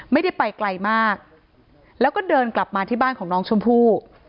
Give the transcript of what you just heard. ไม่ได้ไปไกลมากแล้วก็เดินกลับมาที่บ้านของน้องชมพู่